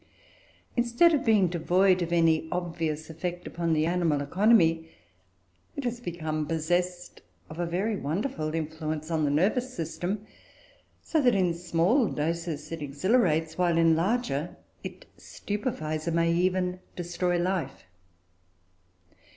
Instead of being devoid of any obvious effect upon the animal economy, it has become possessed of a very wonderful influence on the nervous system; so that in small doses it exhilarates, while in larger it stupefies, and may even destroy life.